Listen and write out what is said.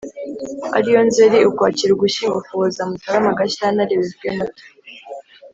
ari yo : nzeri, ukwakira, ugushyingo, ukuboza, mutarama, gashyantare, werurwe, mata,